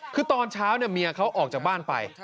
คือตอนเช้าเมียเขาออกจากบ้านไป